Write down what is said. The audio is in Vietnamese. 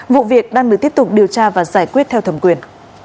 vụ việc đang được tiếp tục điều tra và giải quyết theo thẩm quyền